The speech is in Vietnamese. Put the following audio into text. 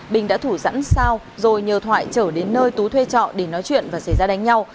bình đã thủ sẵn sao rồi nhờ thoại trở đến nơi tú thuê trọ để nói chuyện và xảy ra đánh nhau